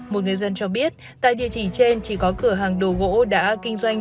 một người dân cho biết tại địa chỉ trên chỉ có cửa hàng đồ gỗ đã kinh doanh